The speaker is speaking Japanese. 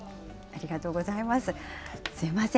ありがとうございます。